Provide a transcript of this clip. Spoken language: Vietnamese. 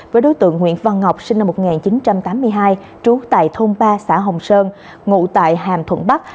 với đối tượng nguyễn văn ngọc sinh năm một nghìn chín trăm tám mươi hai trú tại thôn ba xã hồng sơn ngụ tại hàm thuận bắc